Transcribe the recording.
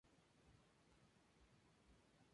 Los vencedores encabezan cada lista.